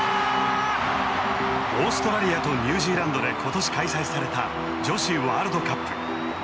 オーストラリアとニュージーランドで今年開催された女子ワールドカップ。